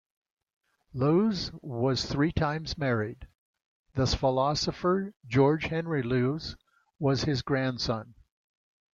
Lewes was three times married; the philosopher George Henry Lewes was his grandson.